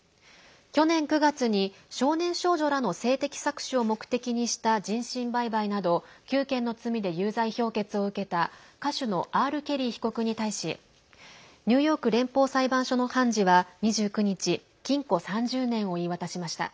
去年９月に少年少女らの性的搾取を目的にした人身売買など９件の罪で有罪評決を受けた歌手のＲ・ケリー被告に対しニューヨーク連邦裁判所の判事は２９日禁錮３０年を言い渡しました。